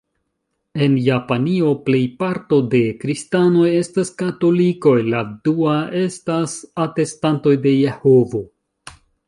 En Japanio, plejparto de Kristanoj estas Katolikoj, la dua estas Atestantoj de Jehovo.